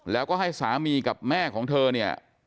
แล้วก็ให้สามีกับแม่ของเธอเนี่ย